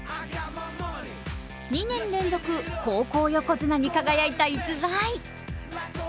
２年連続、高校横綱に輝いた逸材。